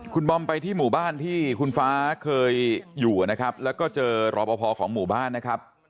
คุณบอมไปที่หมู่บ้านที่คุณฟ้าเคยอยู่นะครับแล้วก็เจอรอปภของหมู่บ้านนะครับ